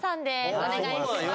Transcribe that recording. お願いします